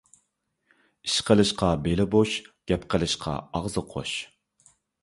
ئىش قىلىشقا بېلى بوش، گەپ قىلىشقا ئاغزى قوش.